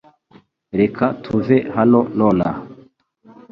Reka tuve hano nonaha .